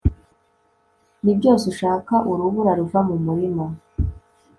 Nibyose ushaka urubura ruva mu murima